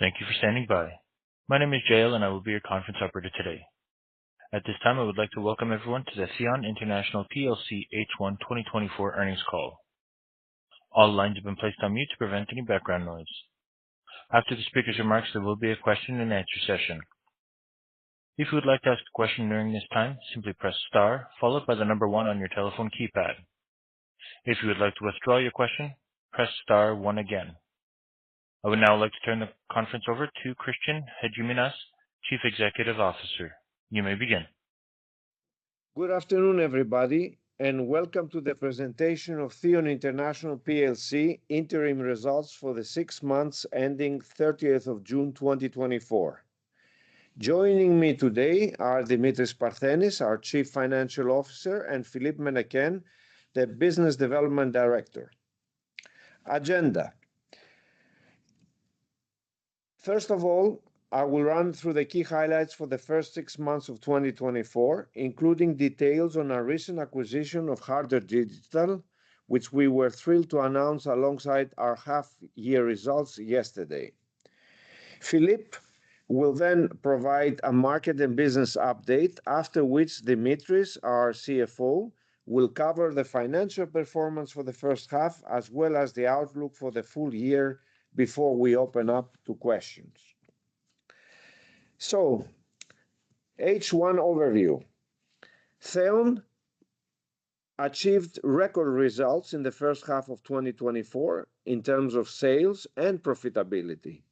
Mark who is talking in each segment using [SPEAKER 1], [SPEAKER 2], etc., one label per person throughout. [SPEAKER 1] Thank you for standing by. My name is Jael, and I will be your conference operator today. At this time, I would like to welcome everyone to the Theon International PLC H1 2024 earnings call. All lines have been placed on mute to prevent any background noise. After the speaker's remarks, there will be a question and answer session. If you would like to ask a question during this time, simply press star followed by the number one on your telephone keypad. If you would like to withdraw your question, press star one again. I would now like to turn the conference over to Christian Hadjiminas, Chief Executive Officer. You may begin.
[SPEAKER 2] Good afternoon, everybody, and welcome to the presentation of Theon International PLC interim results for the six months ending 30th of June, 2024. Joining me today are Dimitris Parthenis, our Chief Financial Officer, and Philippe Mennicken, the Business Development Director. Agenda. First of all, I will run through the key highlights for the first six months of 2024, including details on our recent acquisition of Harder Digital, which we were thrilled to announce alongside our half-year results yesterday. Philippe will then provide a market and business update, after which Dimitris, our CFO, will cover the financial performance for the first half as well as the outlook for the full year before we open up to questions. So H1 overview. Theon achieved record results in the first half of 2024 in terms of sales and profitability.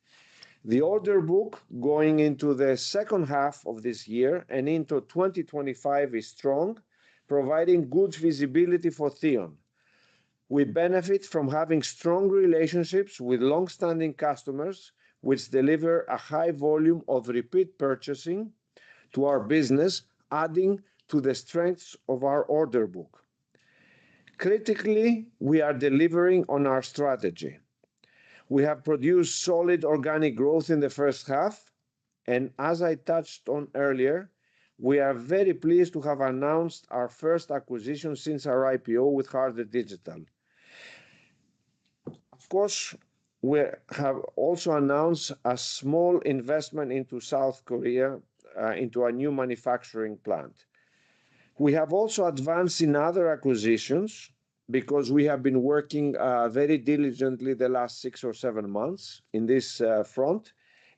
[SPEAKER 2] The order book going into the second half of this year and into 2025 is strong, providing good visibility for Theon. We benefit from having strong relationships with long-standing customers, which deliver a high volume of repeat purchasing to our business, adding to the strengths of our order book. Critically, we are delivering on our strategy. We have produced solid organic growth in the first half, and as I touched on earlier, we are very pleased to have announced our first acquisition since our IPO with Harder Digital. Of course, we have also announced a small investment into South Korea into a new manufacturing plant. We have also advanced in other acquisitions because we have been working very diligently the last six or seven months in this front,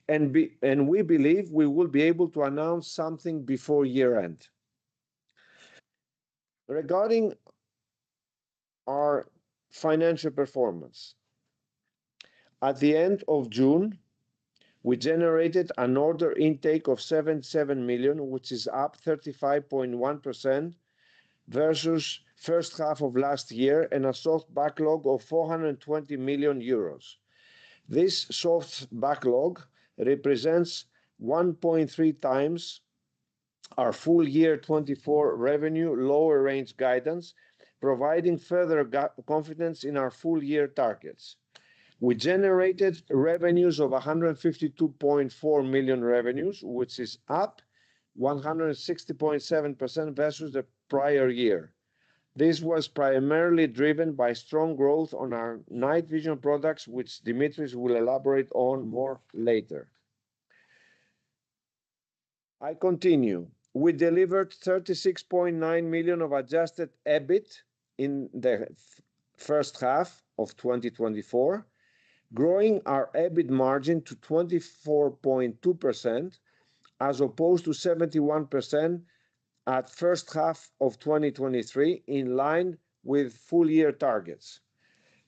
[SPEAKER 2] and we believe we will be able to announce something before year-end. Regarding our financial performance, at the end of June, we generated an order intake of 77 million, which is up 35.1% versus first half of last year, and a soft backlog of 420 million euros. This soft backlog represents 1.3 times our full-year 2024 revenue, lower range guidance, providing further confidence in our full-year targets. We generated revenues of 152.4 million, which is up 160.7% versus the prior year. This was primarily driven by strong growth on our night vision products, which Dimitris will elaborate on more later. I continue. We delivered 36.9 million of Adjusted EBIT in the first half of 2024, growing our EBIT margin to 24.2%, as opposed to 71% at first half of 2023, in line with full-year targets.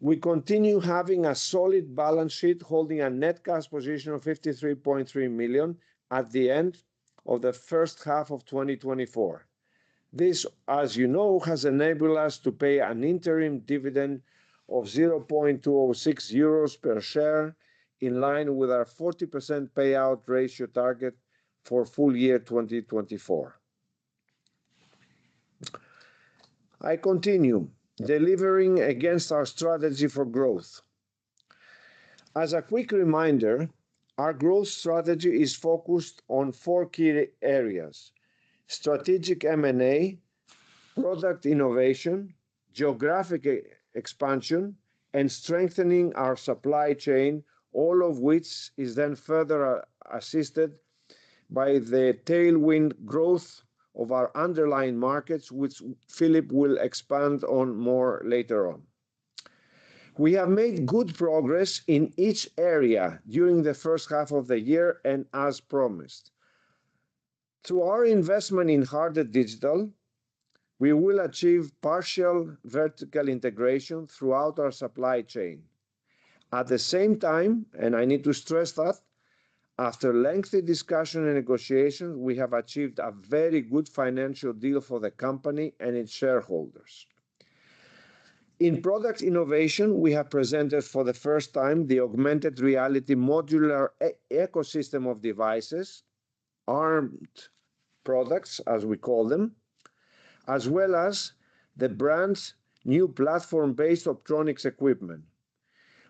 [SPEAKER 2] We continue having a solid balance sheet, holding a net cash position of 53.3 million at the end of the first half of 2024. This, as you know, has enabled us to pay an interim dividend of 0.26 euros per share, in line with our 40% payout ratio target for full year 2024. I continue. Delivering against our strategy for growth. As a quick reminder, our growth strategy is focused on four key areas: strategic M&A, product innovation, geographic expansion, and strengthening our supply chain, all of which is then further assisted by the tailwind growth of our underlying markets, which Philippe will expand on more later on. We have made good progress in each area during the first half of the year, and as promised. Through our investment in Harder Digital, we will achieve partial vertical integration throughout our supply chain. At the same time, and I need to stress that, after lengthy discussion and negotiations, we have achieved a very good financial deal for the company and its shareholders. In product innovation, we have presented for the first time the augmented reality modular ecosystem of devices, ARMED products, as we call them, as well as the brand's new platform-based optronics equipment.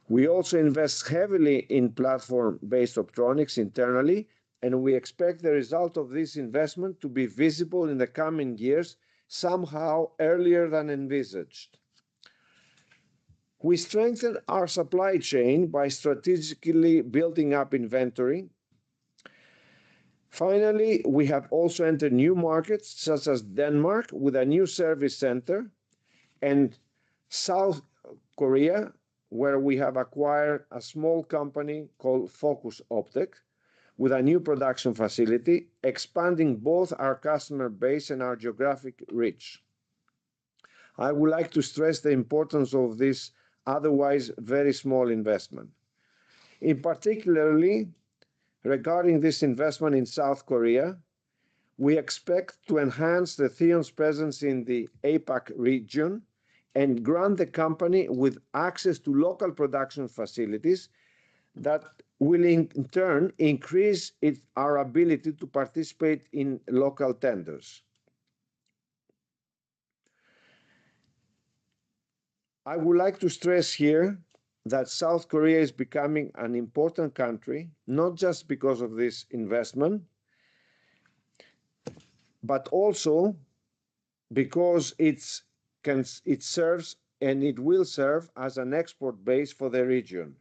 [SPEAKER 2] We also invest heavily in platform-based optronics internally, and we expect the result of this investment to be visible in the coming years, somehow earlier than envisaged. We strengthen our supply chain by strategically building up inventory. Finally, we have also entered new markets, such as Denmark, with a new service center, and South Korea, where we have acquired a small company called Focus Optic, with a new production facility, expanding both our customer base and our geographic reach. I would like to stress the importance of this otherwise very small investment. In particular, regarding this investment in South Korea, we expect to enhance Theon's presence in the APAC region and grant the company with access to local production facilities that will, in turn, increase our ability to participate in local tenders. I would like to stress here that South Korea is becoming an important country, not just because of this investment, but also because it serves and it will serve as an export base for the region.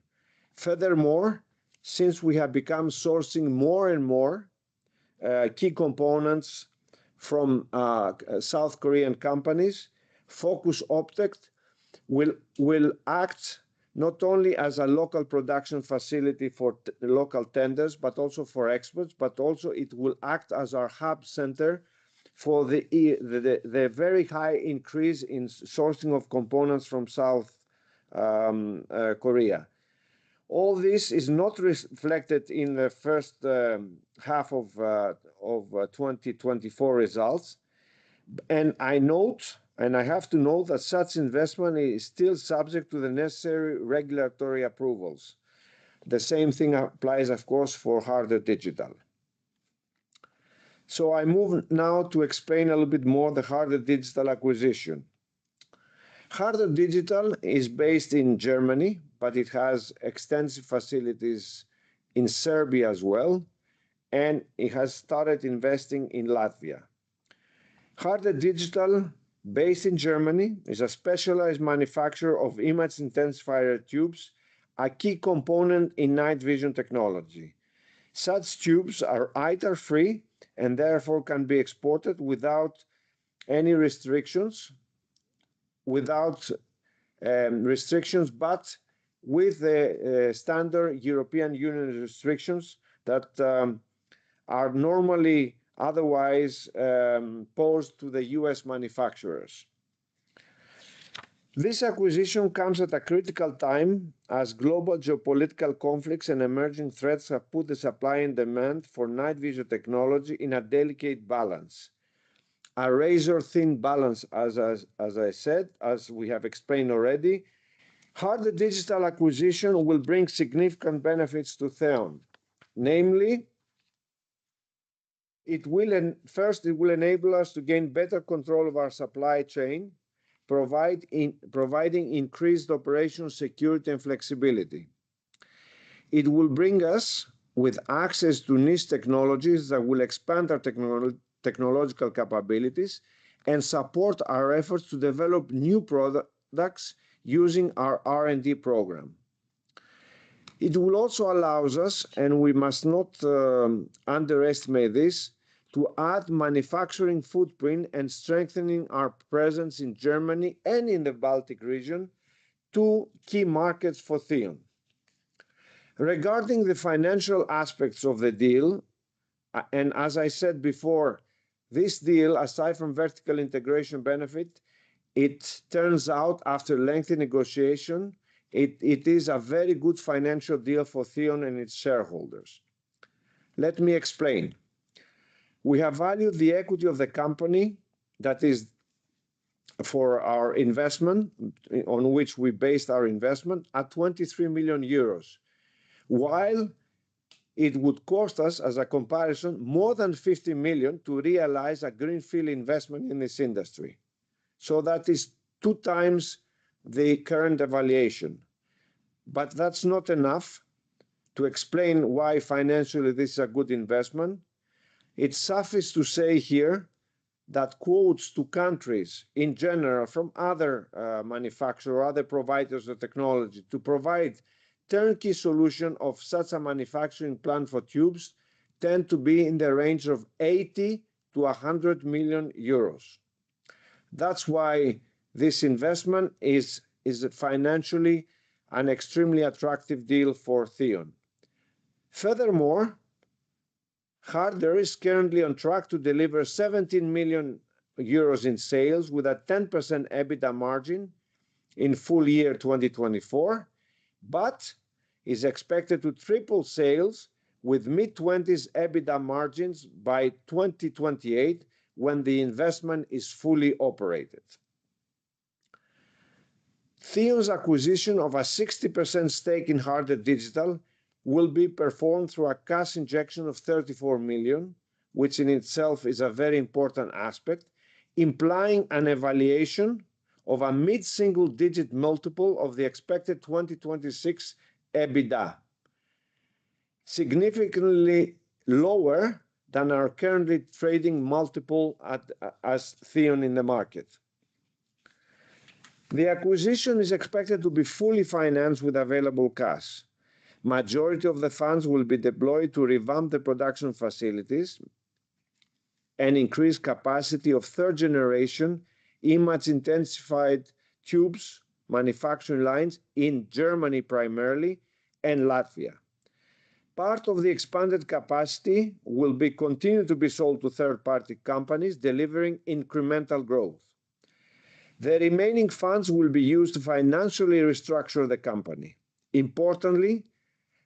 [SPEAKER 2] Furthermore, since we have become sourcing more and more key components from South Korean companies, Focus Optic will act not only as a local production facility for local tenders, but also for exports, but also it will act as our hub center for the very high increase in sourcing of components from South Korea. All this is not reflected in the first half of 2024 results, and I note, and I have to note that such investment is still subject to the necessary regulatory approvals. The same thing applies, of course, for Harder Digital. So I move now to explain a little bit more the Harder Digital acquisition. Harder Digital is based in Germany, but it has extensive facilities in Serbia as well, and it has started investing in Latvia. Harder Digital, based in Germany, is a specialized manufacturer of image intensifier tubes, a key component in night vision technology. Such tubes are ITAR-free, and therefore can be exported without any restrictions, but with the standard European Union restrictions that are normally otherwise posed to the U.S. manufacturers. This acquisition comes at a critical time, as global geopolitical conflicts and emerging threats have put the supply and demand for night vision technology in a delicate balance. A razor-thin balance, as I said, as we have explained already. Harder Digital acquisition will bring significant benefits to Theon. Namely, firstly, it will enable us to gain better control of our supply chain, providing increased operational security and flexibility. It will bring us with access to niche technologies that will expand our technological capabilities and support our efforts to develop new products using our R&D program. It will also allows us, and we must not underestimate this, to add manufacturing footprint and strengthening our presence in Germany and in the Baltic region, two key markets for Theon. Regarding the financial aspects of the deal, and as I said before, this deal, aside from vertical integration benefit, it turns out, after lengthy negotiation, it is a very good financial deal for Theon and its shareholders. Let me explain. We have valued the equity of the company, that is, for our investment, on which we based our investment, at 23 million euros. While it would cost us, as a comparison, more than 50 million to realize a greenfield investment in this industry. So that is two times the current valuation. But that's not enough to explain why financially this is a good investment. It suffices to say here that quotes to countries in general from other manufacturer or other providers of technology to provide turnkey solution of such a manufacturing plant for tubes tend to be in the range of 80-100 million euros. That's why this investment is financially an extremely attractive deal for Theon. Furthermore, Harder is currently on track to deliver 17 million euros in sales with a 10% EBITDA margin in full year 2024, but is expected to triple sales with mid-twenties EBITDA margins by 2028 when the investment is fully operated. Theon's acquisition of a 60% stake in Harder Digital will be performed through a cash injection of 34 million, which in itself is a very important aspect, implying an evaluation of a mid-single-digit multiple of the expected 2026 EBITDA. Significantly lower than our currently trading multiple at, as Theon in the market. The acquisition is expected to be fully financed with available cash. Majority of the funds will be deployed to revamp the production facilities and increase capacity of third-generation image intensifier tubes, manufacturing lines in Germany primarily, and Latvia. Part of the expanded capacity will be continued to be sold to third-party companies, delivering incremental growth. The remaining funds will be used to financially restructure the company. Importantly,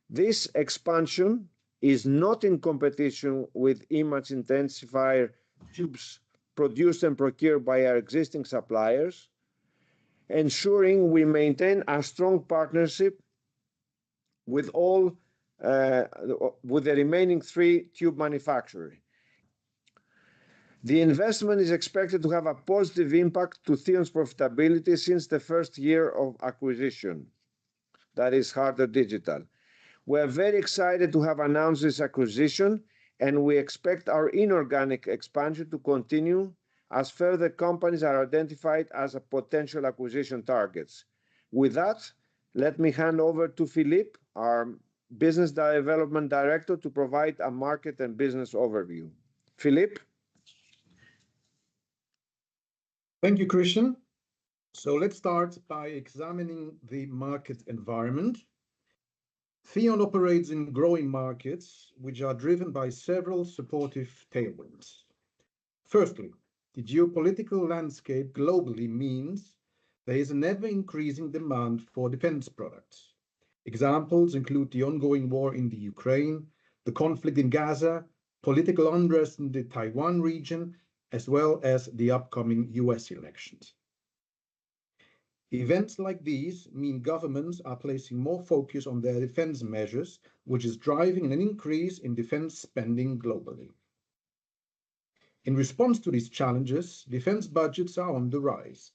[SPEAKER 2] this expansion is not in competition with image intensifier tubes produced and procured by our existing suppliers, ensuring we maintain a strong partnership with all, with the remaining three tube manufacturer. The investment is expected to have a positive impact to Theon's profitability since the first year of acquisition. That is Harder Digital. We're very excited to have announced this acquisition, and we expect our inorganic expansion to continue as further companies are identified as a potential acquisition targets. With that, let me hand over to Philippe, our Business Development Director, to provide a market and business overview. Philippe?
[SPEAKER 3] Thank you, Christian. So let's start by examining the market environment. Theon operates in growing markets, which are driven by several supportive tailwinds. Firstly, the geopolitical landscape globally means there is an ever-increasing demand for defense products. Examples include the ongoing war in the Ukraine, the conflict in Gaza, political unrest in the Taiwan region, as well as the upcoming U.S. elections. Events like these mean governments are placing more focus on their defense measures, which is driving an increase in defense spending globally. In response to these challenges, defense budgets are on the rise.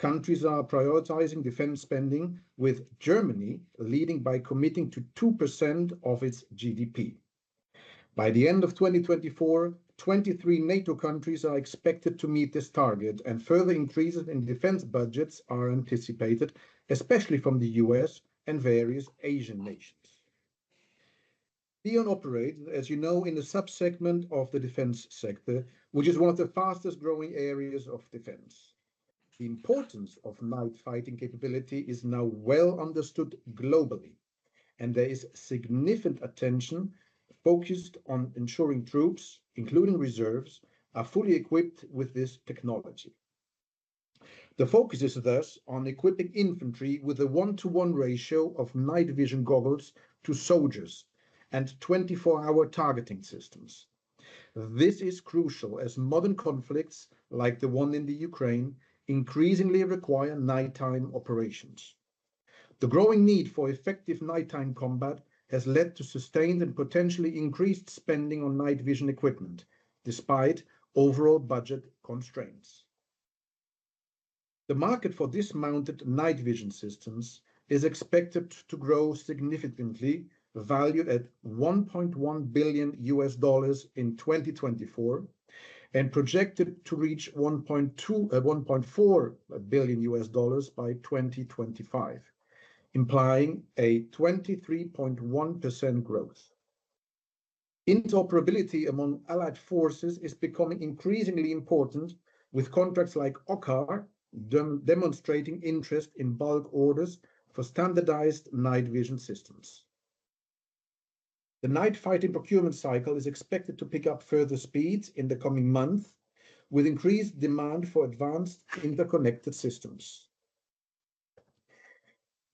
[SPEAKER 3] Countries are prioritizing defense spending, with Germany leading by committing to 2% of its GDP. By the end of 2024, 23 NATO countries are expected to meet this target, and further increases in defense budgets are anticipated, especially from the U.S. and various Asian nations. Theon operates, as you know, in a sub-segment of the defense sector, which is one of the fastest-growing areas of defense. The importance of night fighting capability is now well understood globally, and there is significant attention focused on ensuring troops, including reserves, are fully equipped with this technology. The focus is, thus, on equipping infantry with a one-to-one ratio of night vision goggles to soldiers and 24-hour targeting systems. This is crucial as modern conflicts, like the one in Ukraine, increasingly require nighttime operations. The growing need for effective nighttime combat has led to sustained and potentially increased spending on night vision equipment, despite overall budget constraints. The market for dismounted night vision systems is expected to grow significantly, valued at $1.1 billion in 2024, and projected to reach $1.4 billion by 2025, implying a 23.1% growth. Interoperability among allied forces is becoming increasingly important, with contracts like OCCAR demonstrating interest in bulk orders for standardized night vision systems. The night fighting procurement cycle is expected to pick up further speed in the coming month, with increased demand for advanced interconnected systems.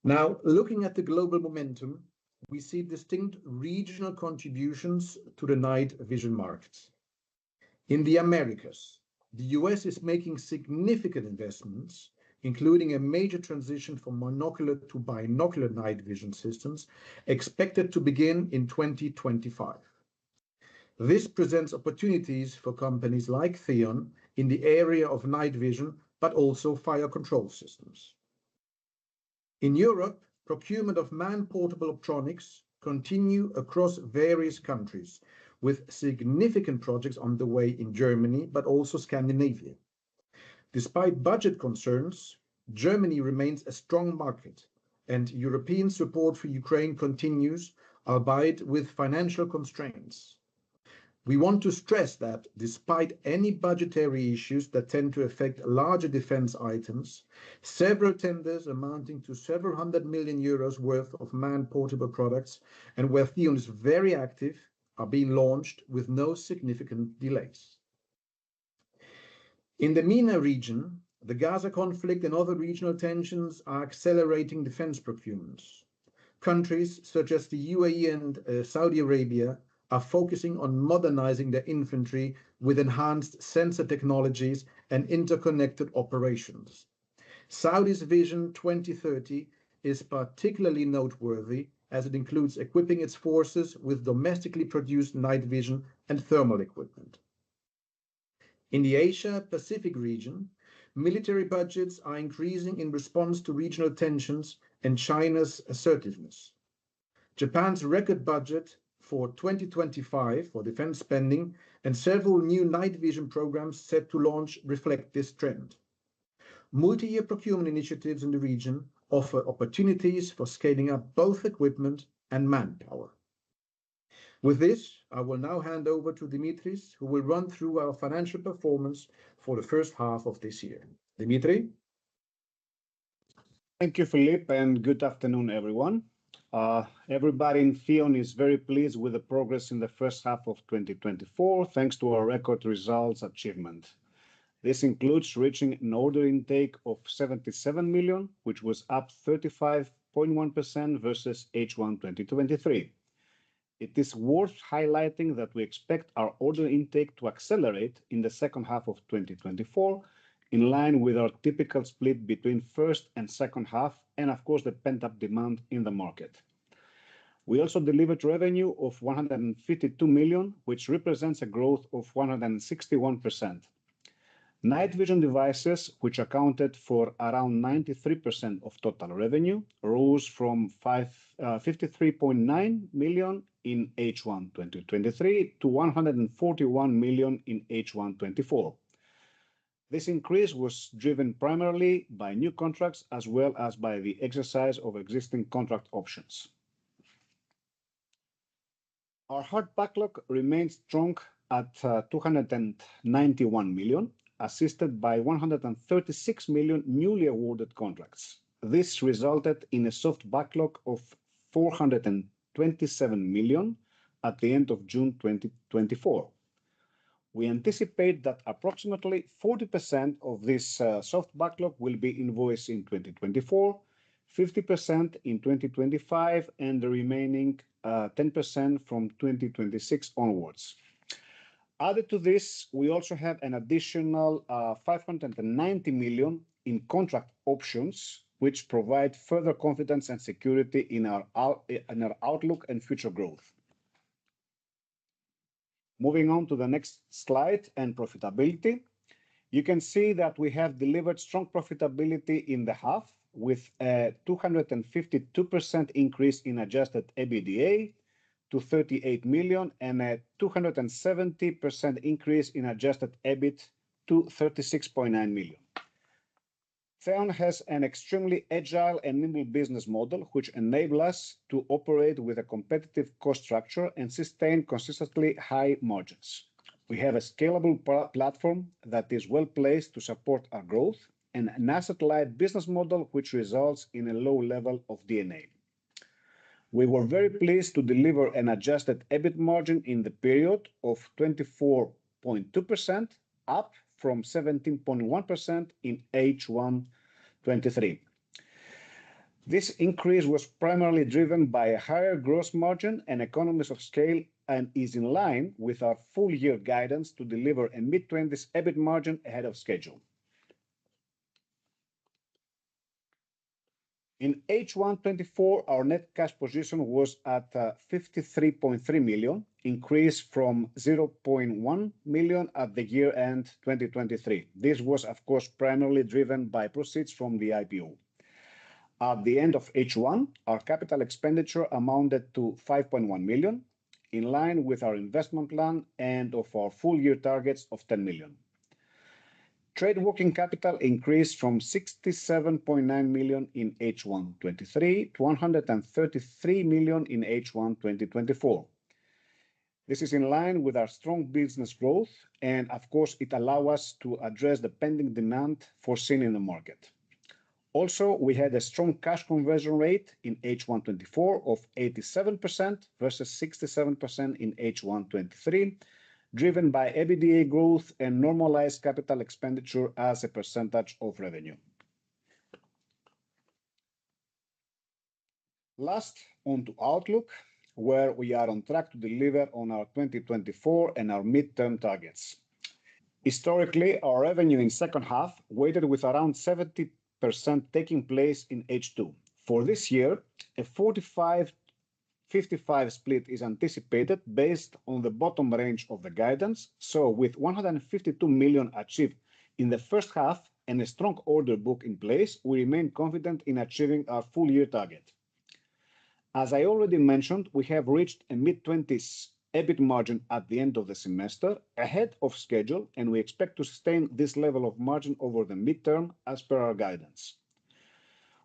[SPEAKER 3] Now, looking at the global momentum, we see distinct regional contributions to the night vision markets. In the Americas, the U.S. is making significant investments, including a major transition from monocular to binocular night vision systems, expected to begin in 2025. This presents opportunities for companies like Theon in the area of night vision, but also fire control systems. In Europe, procurement of man-portable electronics continue across various countries, with significant projects on the way in Germany, but also Scandinavia. Despite budget concerns, Germany remains a strong market, and European support for Ukraine continues, albeit with financial constraints. We want to stress that despite any budgetary issues that tend to affect larger defense items, several tenders amounting to several hundred million EUR worth of man-portable products, and where Theon is very active, are being launched with no significant delays. In the MENA region, the Gaza conflict and other regional tensions are accelerating defense procurements. Countries such as the UAE and Saudi Arabia are focusing on modernizing their infantry with enhanced sensor technologies and interconnected operations. Saudi Arabia's Vision 2030 is particularly noteworthy, as it includes equipping its forces with domestically produced night vision and thermal equipment. In the Asia Pacific region, military budgets are increasing in response to regional tensions and China's assertiveness. Japan's record budget for 2025 for defense spending and several new night vision programs set to launch reflect this trend. Multi-year procurement initiatives in the region offer opportunities for scaling up both equipment and manpower. With this, I will now hand over to Dimitris, who will run through our financial performance for the first half of this year. Dimitris?
[SPEAKER 4] Thank you, Philippe, and good afternoon, everyone. Everybody in Theon is very pleased with the progress in the first half of 2024, thanks to our record results achievement. This includes reaching an order intake of 77 million, which was up 35.1% versus H1 2023. It is worth highlighting that we expect our order intake to accelerate in the second half of 2024, in line with our typical split between first and second half, and of course, the pent-up demand in the market. We also delivered revenue of 152 million, which represents a growth of 161%. Night vision devices, which accounted for around 93% of total revenue, rose from 53.9 million in H1 2023 to 141 million in H1 2024. This increase was driven primarily by new contracts, as well as by the exercise of existing contract options. Our hard backlog remains strong at 291 million, assisted by 136 million newly awarded contracts. This resulted in a soft backlog of 427 million at the end of June 2024. We anticipate that approximately 40% of this soft backlog will be invoiced in 2024, 50% in 2025, and the remaining 10% from 2026 onwards. Added to this, we also have an additional 590 million in contract options, which provide further confidence and security in our outlook and future growth. Moving on to the next slide and profitability. You can see that we have delivered strong profitability in the half, with a 252% increase in adjusted EBITDA to 38 million and a 270% increase in adjusted EBIT to 36.9 million. Theon has an extremely agile and nimble business model, which enable us to operate with a competitive cost structure and sustain consistently high margins. We have a scalable platform that is well-placed to support our growth and an asset-light business model, which results in a low level of capex. We were very pleased to deliver an adjusted EBIT margin in the period of 24.2%, up from 17.1% in H1 2023. This increase was primarily driven by a higher gross margin and economies of scale and is in line with our full-year guidance to deliver a mid-twenties EBIT margin ahead of schedule. In H1 2024, our net cash position was at 53.3 million, increased from 0.1 million at year-end 2023. This was, of course, primarily driven by proceeds from the IPO. At the end of H1, our capital expenditure amounted to 5.1 million, in line with our investment plan and of our full-year targets of 10 million. Trade working capital increased from 67.9 million in H1 2023 to 133 million in H1 2024. This is in line with our strong business growth, and of course, it allow us to address the pending demand foreseen in the market. Also, we had a strong cash conversion rate in H1 2024 of 87% versus 67% in H1 2023, driven by EBITDA growth and normalized capital expenditure as a percentage of revenue. Last, on to outlook, where we are on track to deliver on our 2024 and our midterm targets. Historically, our revenue in second half weighted with around 70% taking place in H2. For this year, a 45/55 split is anticipated based on the bottom range of the guidance, so with 152 million achieved in the first half and a strong order book in place, we remain confident in achieving our full year target. As I already mentioned, we have reached a mid-twenties EBIT margin at the end of the semester, ahead of schedule, and we expect to sustain this level of margin over the midterm as per our guidance.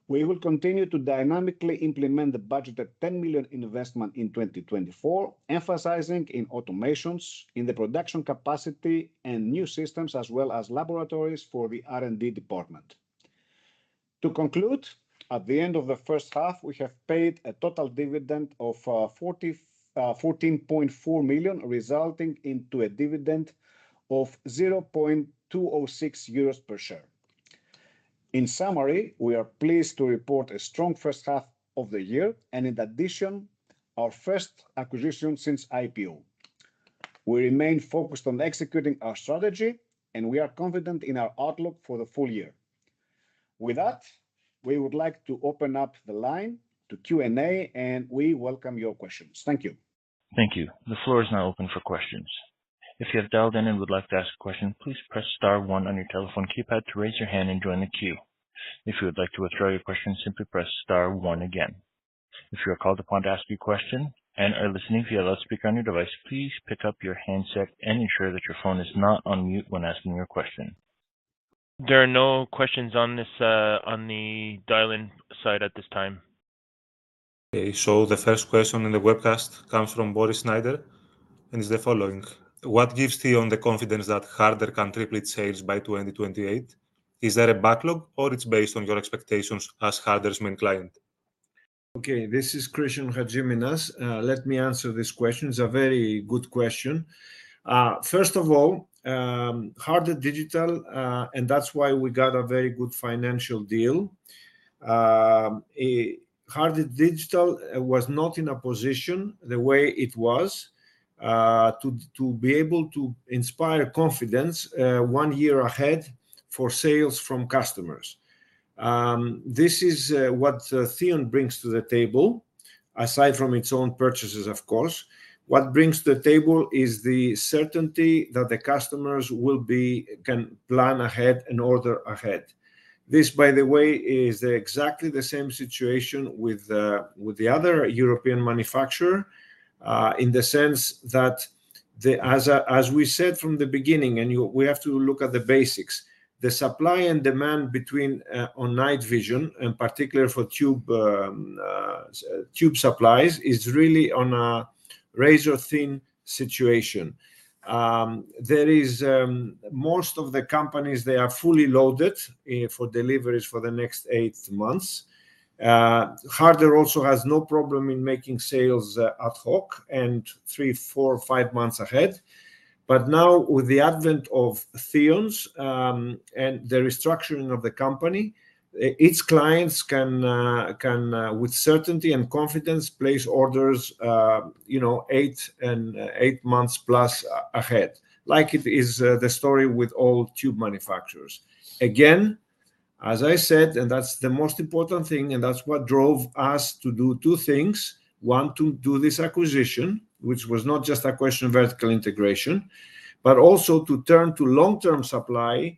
[SPEAKER 4] We will continue to dynamically implement the budgeted 10 million investment in 2024, emphasizing in automations, in the production capacity and new systems, as well as laboratories for the R&D department. To conclude, at the end of the first half, we have paid a total dividend of fourteen point four million, resulting into a dividend of 0.206 euros per share. In summary, we are pleased to report a strong first half of the year and in addition, our first acquisition since IPO. We remain focused on executing our strategy, and we are confident in our outlook for the full year....
[SPEAKER 2] With that, we would like to open up the line to Q&A, and we welcome your questions. Thank you.
[SPEAKER 1] Thank you. The floor is now open for questions. If you have dialed in and would like to ask a question, please press star one on your telephone keypad to raise your hand and join the queue. If you would like to withdraw your question, simply press star one again. If you are called upon to ask your question and are listening via loudspeaker on your device, please pick up your handset and ensure that your phone is not on mute when asking your question. There are no questions on this, on the dial-in side at this time.
[SPEAKER 5] Okay, so the first question on the webcast comes from Boris Snyder and is the following: What gives Theon the confidence that Harder can triple its sales by 2028? Is there a backlog, or it's based on your expectations as Harder's main client?
[SPEAKER 2] Okay, this is Christian Hadjiminas. Let me answer this question. It's a very good question. First of all, Harder Digital, and that's why we got a very good financial deal. Harder Digital was not in a position, the way it was, to be able to inspire confidence one year ahead for sales from customers. This is what Theon brings to the table, aside from its own purchases, of course. What brings to the table is the certainty that the customers will be... can plan ahead and order ahead. This, by the way, is exactly the same situation with the other European manufacturer in the sense that as we said from the beginning, and you... we have to look at the basics. The supply and demand between on night vision, in particular for tube supplies, is really on a razor-thin situation. There is, most of the companies, they are fully loaded for deliveries for the next eight months. Harder also has no problem in making sales, ad hoc and three, four, five months ahead. But now, with the advent of Theon's and the restructuring of the company, its clients can with certainty and confidence place orders, you know, eight months plus ahead, like it is the story with all tube manufacturers. Again, as I said, and that's the most important thing, and that's what drove us to do two things: one, to do this acquisition, which was not just a question of vertical integration, but also to turn to long-term supply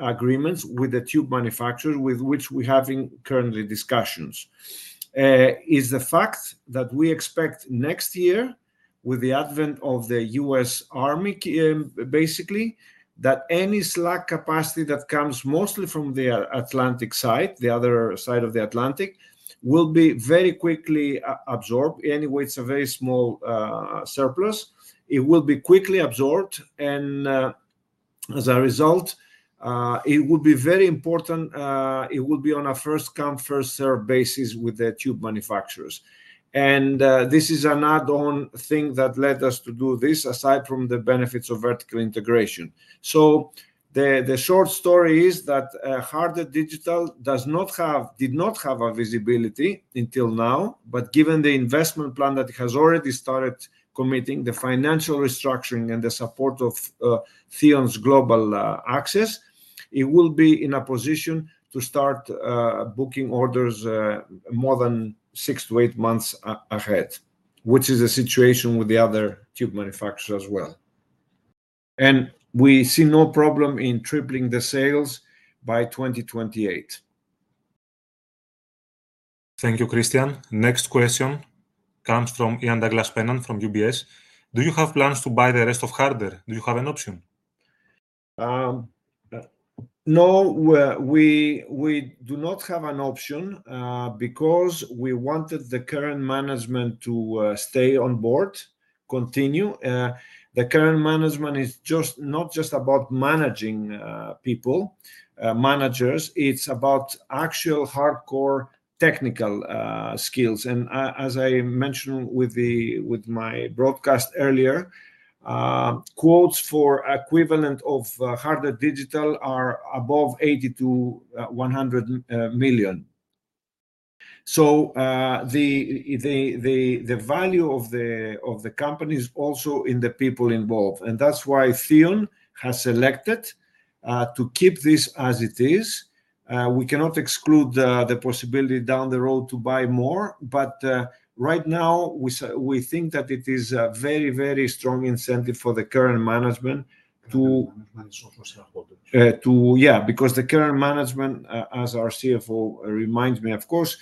[SPEAKER 2] agreements with the tube manufacturer, with which we're having currently discussions. Is the fact that we expect next year, with the advent of the U.S. Army, basically, that any slack capacity that comes mostly from the Atlantic side, the other side of the Atlantic, will be very quickly absorbed. Anyway, it's a very small surplus. It will be quickly absorbed, and as a result, it would be very important. It will be on a first come, first served basis with the tube manufacturers. And this is an add-on thing that led us to do this, aside from the benefits of vertical integration. So the short story is that Harder Digital does not have, did not have a visibility until now, but given the investment plan that has already started committing the financial restructuring and the support of Theon's global access, it will be in a position to start booking orders more than six to eight months ahead, which is the situation with the other tube manufacturer as well. And we see no problem in tripling the sales by 2028.
[SPEAKER 5] Thank you, Christian. Next question comes from Ian Douglas-Pennant, from UBS. Do you have plans to buy the rest of Harder? Do you have an option?
[SPEAKER 2] No, we do not have an option, because we wanted the current management to stay on board, continue. The current management is just, not just about managing people, managers, it's about actual hardcore technical skills. And as I mentioned with my broadcast earlier, quotes for equivalent of Harder Digital are above 80-100 million. So, the value of the company is also in the people involved, and that's why Theon has selected to keep this as it is. We cannot exclude the possibility down the road to buy more, but right now, we think that it is a very, very strong incentive for the current management to-
[SPEAKER 4] Also shareholders.
[SPEAKER 2] Yeah, because the current management, as our CFO reminds me, of course,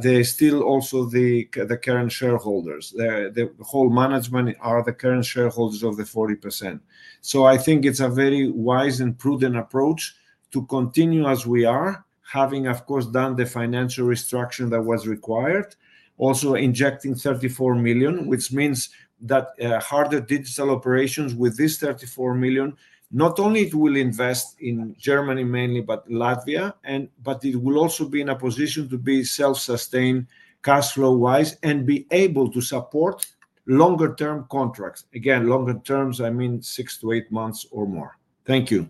[SPEAKER 2] they're still also the current shareholders. The whole management are the current shareholders of the 40%. So I think it's a very wise and prudent approach to continue as we are, having, of course, done the financial restructure that was required, also injecting 34 million, which means that, Harder Digital operations with this 34 million, not only it will invest in Germany mainly, but Latvia, and, but it will also be in a position to be self-sustained, cash flow wise, and be able to support longer term contracts. Again, longer terms, I mean, six to eight months or more. Thank you.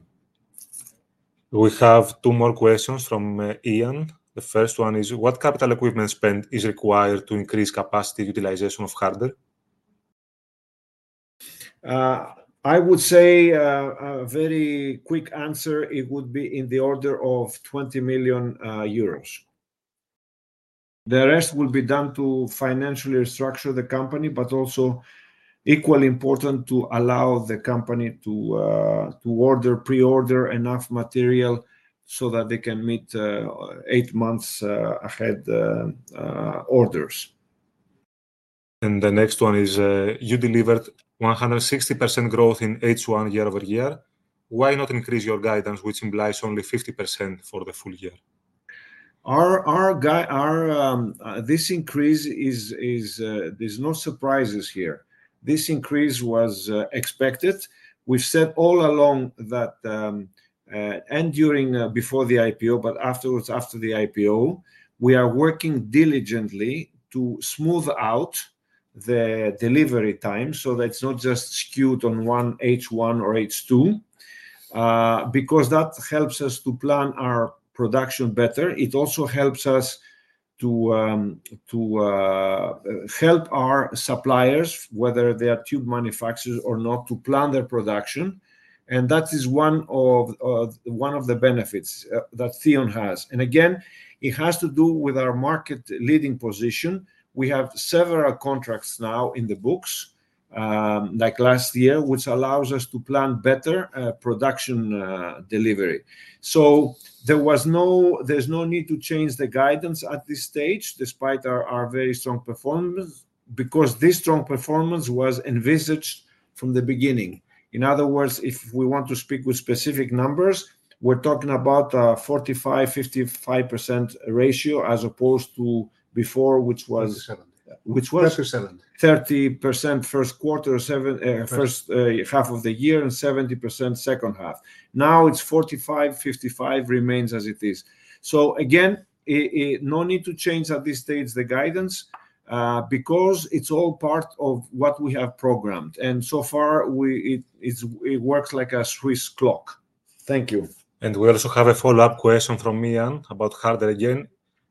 [SPEAKER 5] We have two more questions from Ian. The first one is: What capital equipment spend is required to increase capacity utilization of Harder?...
[SPEAKER 2] I would say, a very quick answer, it would be in the order of 20 million euros. The rest will be done to financially restructure the company, but also equally important, to allow the company to order, pre-order enough material so that they can meet eight months ahead orders.
[SPEAKER 5] The next one is, you delivered 160% growth in H1 year over year. Why not increase your guidance, which implies only 50% for the full year?
[SPEAKER 2] This increase. There's no surprises here. This increase was expected. We've said all along that, and during, before the IPO, but afterwards, after the IPO, we are working diligently to smooth out the delivery time, so that it's not just skewed on one H1 or H2. Because that helps us to plan our production better. It also helps us to help our suppliers, whether they are tube manufacturers or not, to plan their production, and that is one of the benefits that Theon has. Again, it has to do with our market-leading position. We have several contracts now in the books, like last year, which allows us to plan better production delivery. There's no need to change the guidance at this stage, despite our, our very strong performance, because this strong performance was envisaged from the beginning. In other words, if we want to speak with specific numbers, we're talking about a 45%-55% ratio, as opposed to before, which was-
[SPEAKER 4] Thirty-seven.
[SPEAKER 2] Which was?
[SPEAKER 4] Thirty-seven.
[SPEAKER 2] 30% first half of the year, and 70% second half. Now, it's 45%-55% remains as it is. So again, no need to change at this stage the guidance, because it's all part of what we have programmed, and so far, it works like a Swiss clock. Thank you.
[SPEAKER 5] And we also have a follow-up question from Ian, about Harder again.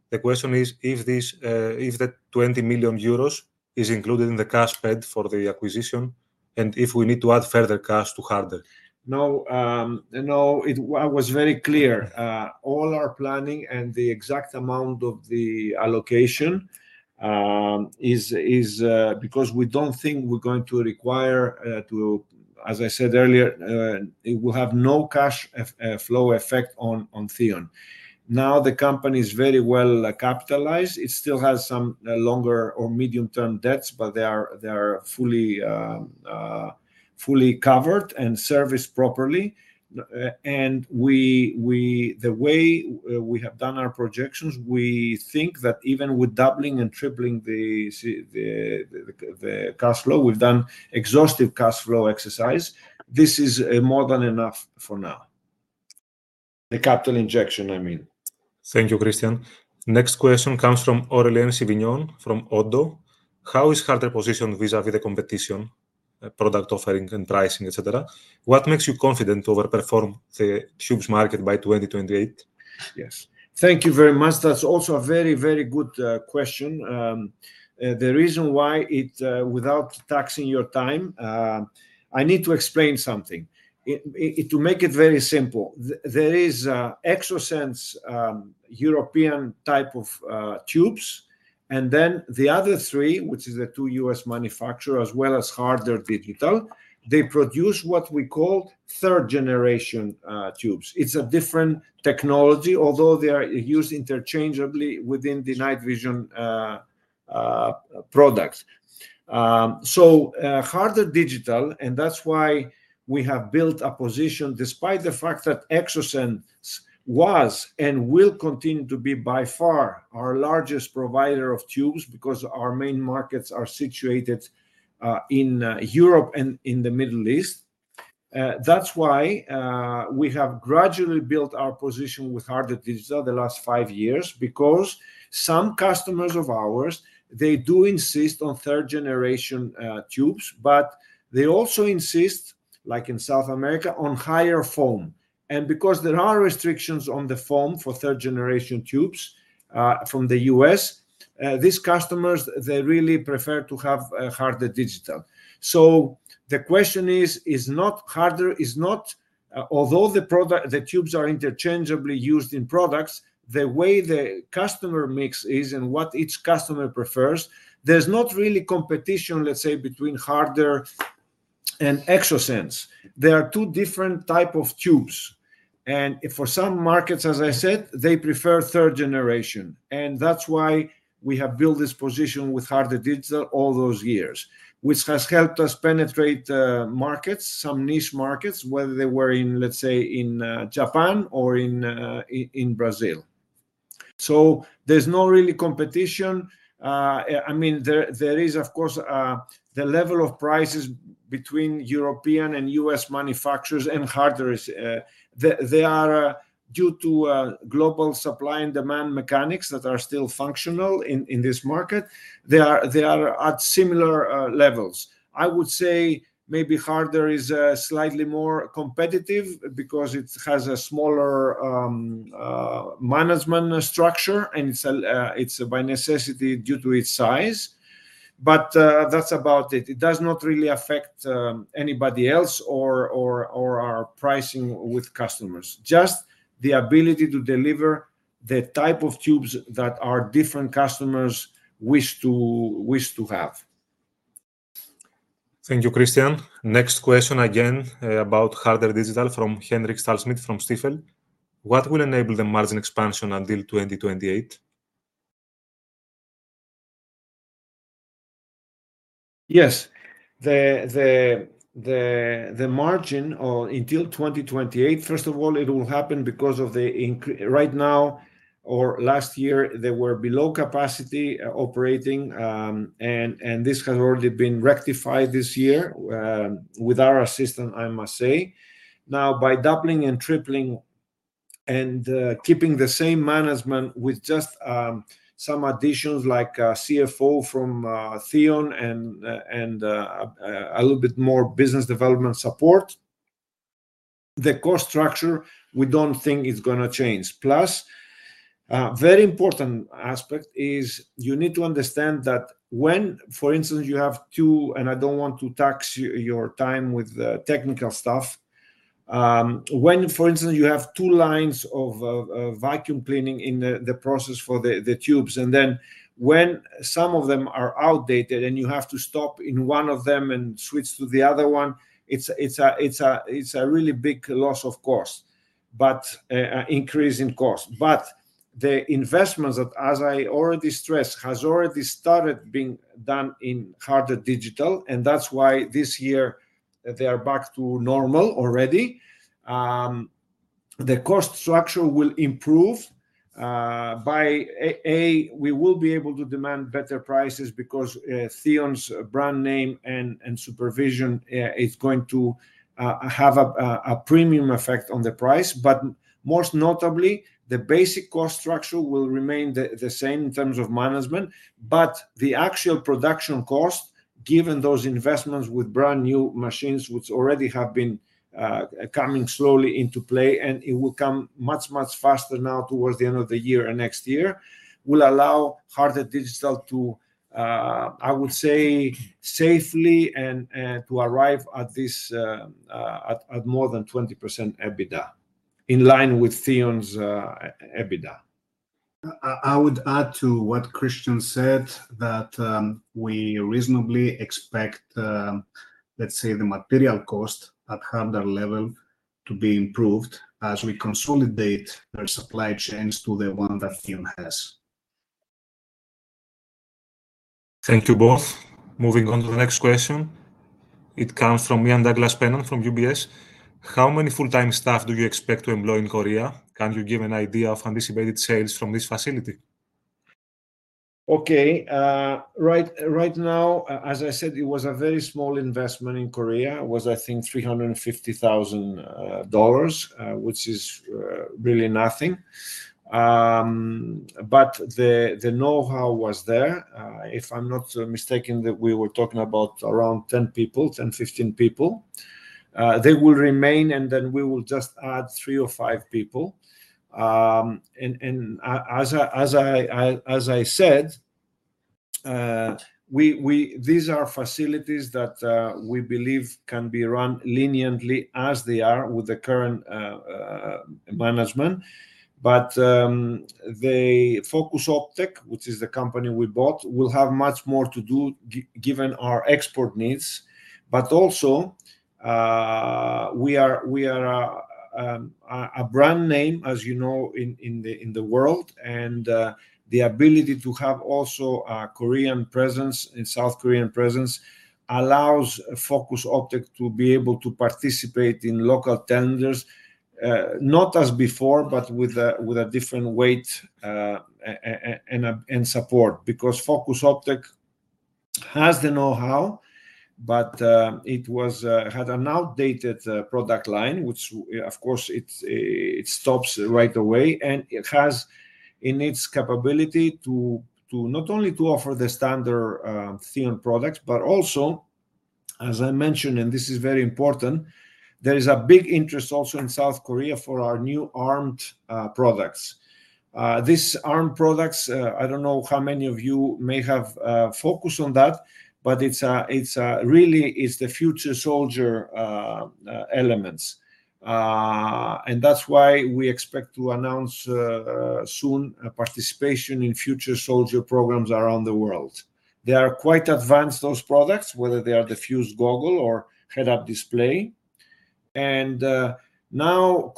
[SPEAKER 5] The question is, "If the 20 million euros is included in the cash paid for the acquisition, and if we need to add further cash to Harder?
[SPEAKER 2] No, no, it... I was very clear. All our planning and the exact amount of the allocation is because we don't think we're going to require to, as I said earlier, it will have no cash flow effect on Theon. Now, the company is very well capitalized. It still has some longer or medium-term debts, but they are fully covered and serviced properly. And the way we have done our projections, we think that even with doubling and tripling the cash flow, we've done exhaustive cash flow exercise, this is more than enough for now. The capital injection, I mean.
[SPEAKER 5] Thank you, Christian. Next question comes from Aurélien Sivignon from Oddo: "How is Harder positioned vis-à-vis the competition, product offering and pricing, et cetera? What makes you confident to over-perform the tubes market by 2028?
[SPEAKER 2] Yes. Thank you very much. That's also a very, very good question. The reason why it, without taxing your time, I need to explain something. To make it very simple, there is Exosens European type of tubes, and then the other three, which is the two U.S. manufacturer, as well as Harder Digital, they produce what we call third generation tubes. It's a different technology, although they are used interchangeably within the night vision products. Harder Digital, and that's why we have built a position, despite the fact that Exosens was, and will continue to be, by far our largest provider of tubes, because our main markets are situated in Europe and in the Middle East. That's why we have gradually built our position with Harder Digital the last five years, because some customers of ours, they do insist on third generation tubes, but they also insist, like in South America, on higher FOM. And because there are restrictions on the FOM for third generation tubes from the US, these customers, they really prefer to have Harder Digital. So the question is not Harder. Although the tubes are interchangeably used in products, the way the customer mix is and what each customer prefers, there's not really competition, let's say, between Harder and Exosens. They are two different type of tubes, and for some markets, as I said, they prefer third generation, and that's why we have built this position with Harder Digital all those years, which has helped us penetrate markets, some niche markets, whether they were in, let's say, in Brazil. So there's no really competition. I mean, there is, of course, the level of prices between European and U.S. manufacturers and Harder is, they are due to global supply and demand mechanics that are still functional in this market, they are at similar levels. I would say maybe Harder is slightly more competitive because it has a smaller management structure, and it's by necessity due to its size, but that's about it. It does not really affect anybody else or our pricing with customers. Just the ability to deliver the type of tubes that our different customers wish to have. ... Thank you, Christian. Next question again about Harder Digital from Henrik Paganetti from Stifel. What will enable the margin expansion until 2028? Yes. The margin until 2028, first of all, it will happen because of the increase right now, or last year, they were below capacity operating, and this has already been rectified this year with our assistance, I must say. Now, by doubling and tripling and keeping the same management with just some additions, like, a CFO from Theon and a little bit more business development support, the cost structure, we don't think it's gonna change. Plus, a very important aspect is you need to understand that when, for instance, you have two, and I don't want to tax your time with technical stuff. When, for instance, you have two lines of vacuum cleaning in the process for the tubes, and then when some of them are outdated, and you have to stop in one of them and switch to the other one, it's a really big loss, of course, but an increase in cost. But the investments that, as I already stressed, has already started being done in Harder Digital, and that's why this year they are back to normal already. The cost structure will improve by we will be able to demand better prices because Theon's brand name and supervision is going to have a premium effect on the price. But most notably, the basic cost structure will remain the same in terms of management. But the actual production cost, given those investments with brand-new machines, which already have been coming slowly into play, and it will come much, much faster now towards the end of the year and next year, will allow Harder Digital to, I would say, safely and to arrive at this at more than 20% EBITDA, in line with Theon's EBITDA.
[SPEAKER 4] I would add to what Christian said, that we reasonably expect, let's say, the material cost at Harder level to be improved as we consolidate their supply chains to the one that Theon has.
[SPEAKER 5] Thank you both. Moving on to the next question. It comes from Ian Douglas-Pennant from UBS. How many full-time staff do you expect to employ in Korea? Can you give an idea of anticipated sales from this facility?
[SPEAKER 2] Okay, right now, as I said, it was a very small investment in Korea. It was, I think, $350,000, which is really nothing. But the know-how was there. If I'm not mistaken, that we were talking about around 10 people, 10-15 people. They will remain, and then we will just add 3 or 5 people. And as I said, these are facilities that we believe can be run leanly as they are with the current management. But the Focus Optic, which is the company we bought, will have much more to do given our export needs. But also, we are a brand name, as you know, in the world, and the ability to have also a Korean presence, a South Korean presence, allows Focus Optic to be able to participate in local tenders, not as before, but with a different weight, and support. Because Focus Optic has the know-how, but it had an outdated product line, which, of course, it stops right away, and it has in its capability to not only offer the standard Theon products, but also, as I mentioned, and this is very important, there is a big interest also in South Korea for our new armed products. These ARMED products, I don't know how many of you may have focused on that, but it's really the future soldier elements. And that's why we expect to announce soon a participation in future soldier programs around the world. They are quite advanced, those products, whether they are the Fused Goggle or Head-Up Display. And now,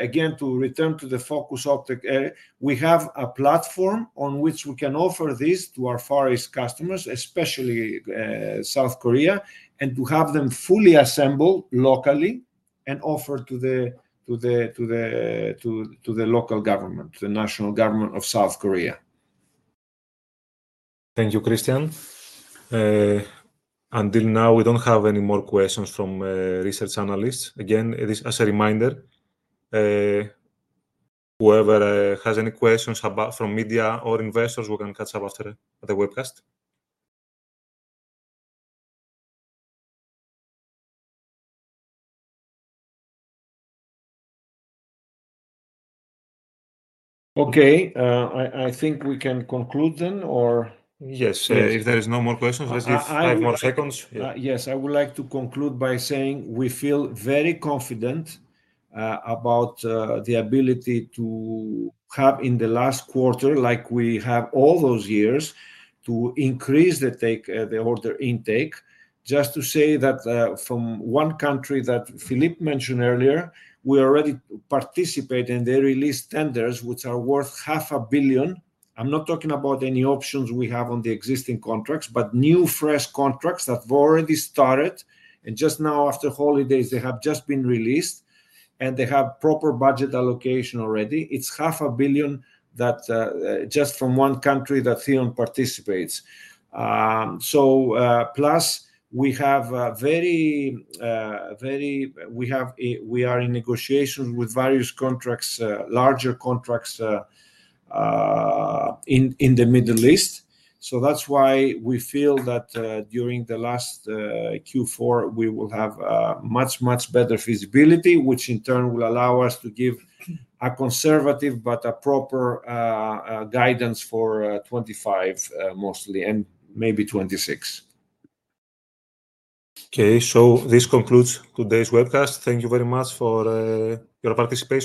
[SPEAKER 2] again, to return to the Focus Optic area, we have a platform on which we can offer this to our Far East customers, especially South Korea, and to have them fully assembled locally and offered to the local government, the national government of South Korea.
[SPEAKER 5] Thank you, Christian. Until now, we don't have any more questions from research analysts. Again, this as a reminder, whoever has any questions about from media or investors, we can catch up after the webcast.
[SPEAKER 2] Okay. I think we can conclude then, or...?
[SPEAKER 5] Yes. If there is no more questions, let's give five more seconds.
[SPEAKER 2] Yes, I would like to conclude by saying we feel very confident about the ability to have in the last quarter, like we have all those years, to increase the order intake. Just to say that from one country that Philippe mentioned earlier, we already participate in the released tenders, which are worth 500 million. I'm not talking about any options we have on the existing contracts, but new, fresh contracts that have already started, and just now, after holidays, they have just been released, and they have proper budget allocation already. It's 500 million that just from one country that Theon participates. So, plus, we are in negotiation with various contracts, larger contracts in the Middle East. So that's why we feel that during the last Q4, we will have a much, much better feasibility, which in turn will allow us to give a conservative but a proper guidance for 2025, mostly, and maybe 2026.
[SPEAKER 5] Okay, so this concludes today's webcast. Thank you very much for your participation.